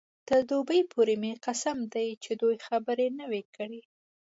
تر دوبۍ پورې مې قسم دی چې دوې خبرې نه وې کړې.